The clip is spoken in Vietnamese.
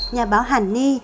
nhà báo hàn ni